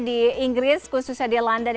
di inggris khususnya di london